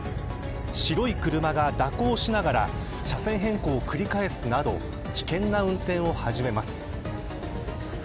白い車が蛇行しながら車線変更を繰り返すなど危険な運転を始めます。